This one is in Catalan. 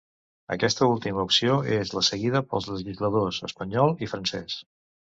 Aquesta última opció és la seguida pels legisladors espanyol i francès.